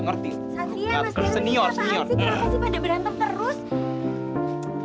kenapa sih pada berantem terus